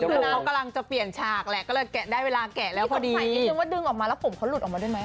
โดนก็คือน้ำกำลังจะเปลี่ยนฉากแหละก็เลยแกะได้เวลาแกะแล้วพอดีสิ่งที่ผมใส่นิดนึงว่าดึงออกมาแล้วผมพอหลุดออกมาได้ไหมอะ